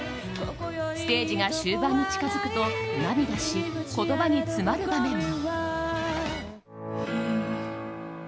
ステージが終盤に近づくと涙し、言葉に詰まる場面も。